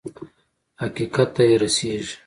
حقيقت ته يې رسېږي.